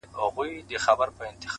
نن شپه د ټول كور چوكيداره يمه ـ